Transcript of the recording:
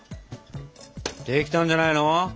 できたんじゃないの？